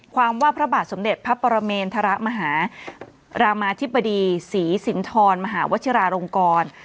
ว่าพระบาทสมเด็จพระปรเมนธรมหารามาธิบดีศรีสินทรมหาวชิราลงกร